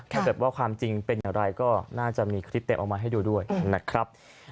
ถ้าเกิดว่าความจริงเป็นอย่างไรก็น่าจะมีคลิปเต็มออกมาให้ดูด้วยนะครับ